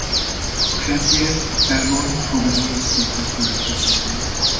A fentiek a Perron–Frobenius-tétel következményei.